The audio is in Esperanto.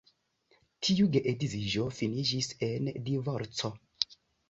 Tiu geedziĝo finiĝis en divorco.